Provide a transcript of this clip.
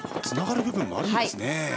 つながる部分もあるんですね。